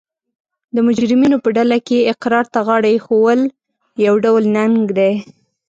د مجرمینو په ډله کې اقرار ته غاړه ایښول یو ډول ننګ دی